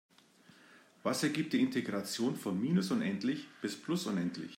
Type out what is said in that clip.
Was ergibt die Integration von minus unendlich bis plus unendlich?